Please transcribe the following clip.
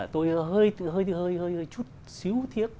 tôi hơi chút xíu tiếc